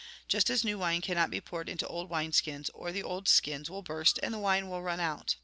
Just as new wine cannot be poured into old skins, or the old skins will burst and the wine run out.